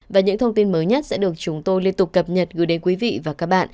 và những thông tin mới nhất sẽ được chúng tôi liên tục cập nhật gửi đến quý vị và các bạn